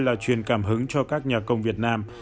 là truyền cảm hứng cho các nhà công việt nam